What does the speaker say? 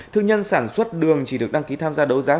thương nhân sản xuất đường chỉ được đăng ký tham gia đấu giá